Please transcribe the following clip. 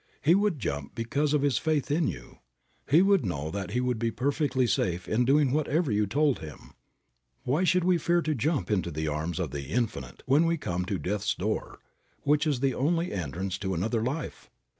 He would jump because of his faith in you. He would know that he would be perfectly safe in doing whatever you told him. Why should we fear to jump into the arms of the Infinite when we come to death's door, which is only the entrance to another life?